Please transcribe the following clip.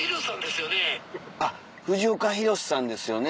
あっ「藤岡弘、さんですよね？」